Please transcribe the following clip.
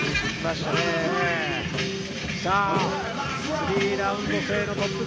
スリーラウンド制のトップ